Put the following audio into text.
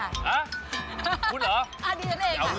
หาคุณเหรอ